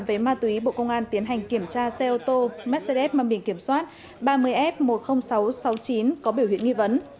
về ma túy bộ công an tiến hành kiểm tra xe ô tô mercedes mang bình kiểm soát ba mươi f một mươi nghìn sáu trăm sáu mươi chín có biểu hiện nghi vấn